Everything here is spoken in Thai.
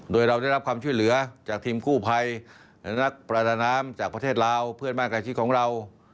โดยเราได้รับความช่วยเหลือจากทีมกู้ภัยและนักประดาน้ำจากประเทศลาวเพื่อนบ้านใกล้ชิดของเรา